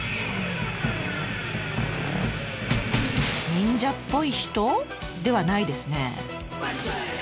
忍者っぽい人ではないですね。